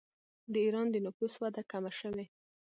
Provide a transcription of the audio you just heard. د ایران د نفوس وده کمه شوې.